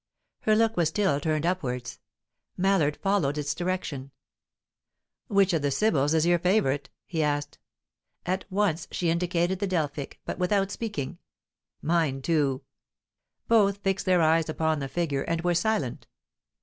Her look was still turned upwards. Mallard followed its direction. "Which of the Sibyls is your favourite?" he asked. At once she indicated the Delphic, but without speaking. "Mine too." Both fixed their eyes upon the figure, and were silent.